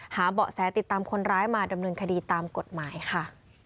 เบาะแสติดตามคนร้ายมาดำเนินคดีตามกฎหมายค่ะ